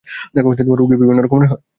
দেখ, রোগী বিভিন্ন রকমের হয়।